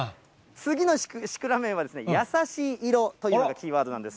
次のシクラメンは、優しい色というのがキーワードなんです。